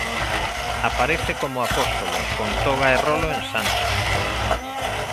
Aparece como apóstolo, con toga e rolo en Sto.